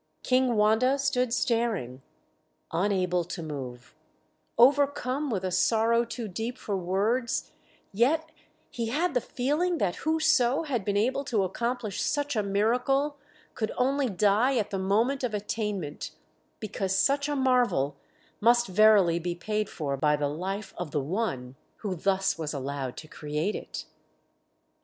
King Wanda stood staring, unable to move, overcome with a sorrow too deep for words; yet he had the feeling that whoso had been able to accomplish such a miracle could only die at the moment of attainment, because such a marvel must verily be paid for by the life of the one who thus was allowed to create it.